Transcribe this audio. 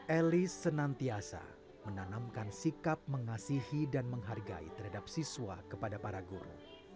elis senantiasa menanamkan sikap mengasihi dan menghargai terhadap siswa kepada para guru